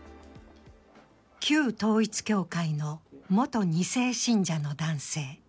旧統一教会の元２世信者の男性。